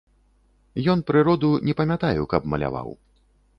Ён прыроду, не памятаю, каб маляваў.